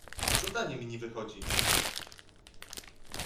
Zadanie mi nie wychodzi!